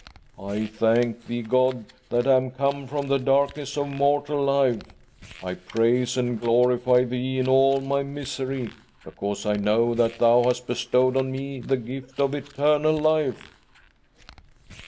I thank thee, God, that I am come from the darkness of mortal life. I praise and glorify Thee in all my misery, because I know that Thou hast bestowed on me the gift of eternal life."